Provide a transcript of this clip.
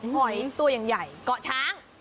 หอยตัวอย่างใหญ่เกาะช้าง